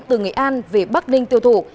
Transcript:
từ nghị an về bắc ninh tiêu thụ